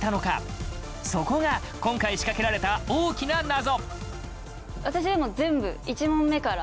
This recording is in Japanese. そこが今回仕掛けられた大きな謎！